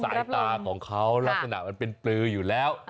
สายตาของเขาลักษณะมันเป็นปลืออยู่แล้ว